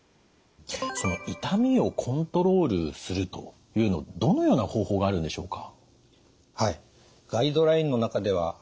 その痛みをコントロールするというのどのような方法があるんでしょうか？